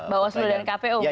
bawah seluruh dan kpo misalnya